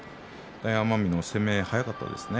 大奄美の攻めが速かったですね。